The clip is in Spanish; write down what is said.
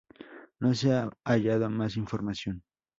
No se ha hallado más información.